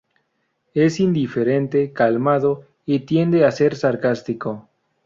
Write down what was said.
Es indiferente, calmado y tiende a ser sarcástico.